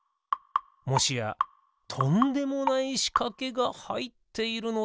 もしやとんでもないしかけがはいっているのでは？